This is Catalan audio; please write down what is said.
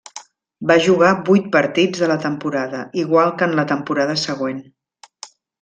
Va jugar vuit partits de la temporada, igual que en la temporada següent.